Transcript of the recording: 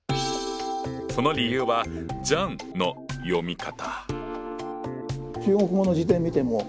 その理由はジャンの読み方！